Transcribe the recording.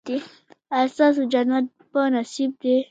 ایا ستاسو جنت په نصیب دی؟